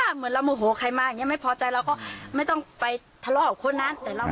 เหมือนเราโมโหใครมาไม่พอใจเราก็ไม่ต้องไปทะเลาะกับคนนะ